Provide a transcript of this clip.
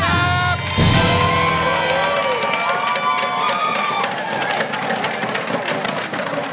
เล่น